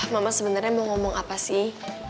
mama sebenarnya mau ngomong apa sih